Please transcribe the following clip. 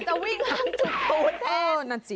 คุณหนึ่งจะวิ่งข้างจุดตูนแทน